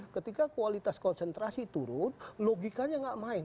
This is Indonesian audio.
ketika kualitas konsentrasi turun logikanya nggak main